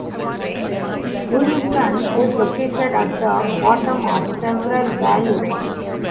Gunnison is located at the bottom of several valleys.